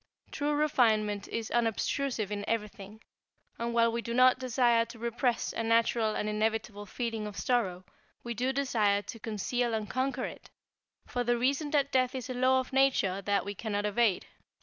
True refinement is unobtrusive in everything, and while we do not desire to repress a natural and inevitable feeling of sorrow, we do desire to conceal and conquer it, for the reason that death is a law of nature that we cannot evade.